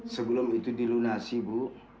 sebelum itu dilunasi bu